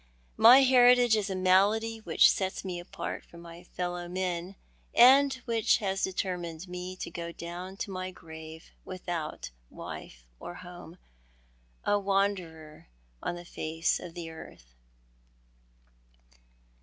My heritage is a malady which sets me apart from my fellow men, and which has determined me to go down to my grave without wife or home— a wanderer on the face of the earth."